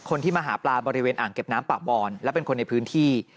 คนที่มาหาปลาบริเวณอ่างเก็บน้ำป่าบอนและเป็นคนในพื้นที่